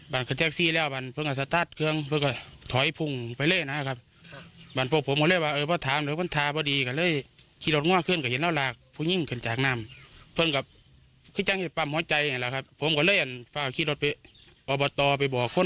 บ้านกับเจ็คซี่แล้วบ้านเพิ่งกับสตาร์ทเครื่องเพิ่งก็ถอยพุ่งไปเลยนะครับครับ